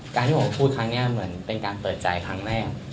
ที่ผมพูดครั้งนี้เหมือนเป็นการเปิดใจครั้งแรก